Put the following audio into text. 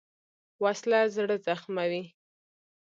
وسله زړه زخموي